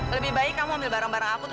lebih baik kamu ambil barang barang aku tuh